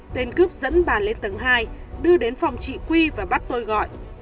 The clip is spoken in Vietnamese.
tên cướp dẫn bà lên tầng hai đưa đến phòng trị quy và bắt tôi gọi